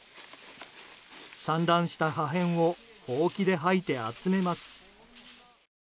散乱した破片をほうきで掃いて集めます。